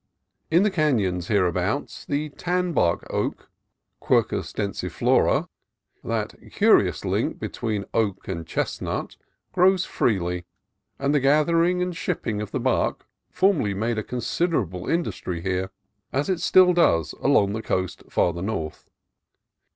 In the canons hereabouts the tan bark oak (Quercus densiflora), that curious link between oak and chestnut, grows freely, and the gathering and shipping of the bark formerly made a consider able industry here, as it still does along the coast farther north.